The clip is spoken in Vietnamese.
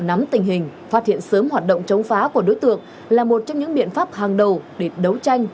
nắm tình hình phát hiện sớm hoạt động chống phá của đối tượng là một trong những biện pháp hàng đầu để đấu tranh